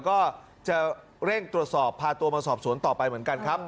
ก็จะเร่งตรวจสอบพาตัวมาสอบสวนต่อไปเหมือนกันครับ